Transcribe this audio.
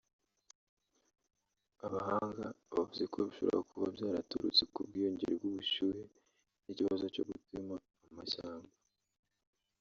Abahanga bavuze ko bishobora kuba byaraturutse ku bwiyongere bw’ubushyuhe n’ikibazo cyo gutema amashyamba